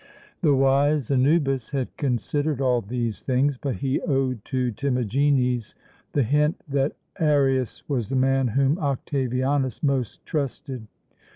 The wise Anubis had considered all these things, but he owed to Timagenes the hint that Arius was the man whom Octavianus most trusted.